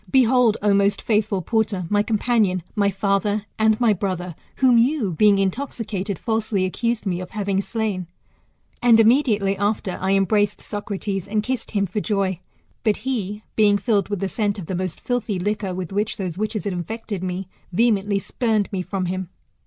Behold, O most faithful porter, my companion, my father, and my brother, who you, being intoxi cated, falsely accused me of having slain.. And inunediately after I embraced Socrates, and kissed him for joy ; but he, being filled with the scent of the most filthy liquor with which those witches had infected me, vehemently spurned mc from him.